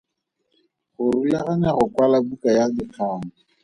Go rulaganya go kwala buka ya dikgang.